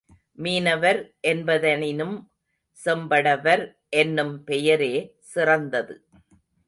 மீனவர் என்ப தனினும் செம்படவர் என்னும் பெயரே சிறந்தது.